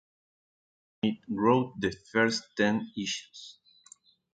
Smith wrote the first ten issues.